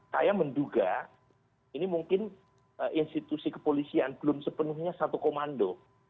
saya menduga ini mungkin institusi kepolisian belum sepenuhnya satu komando